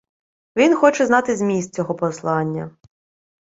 Він хоче знати зміст цього послання.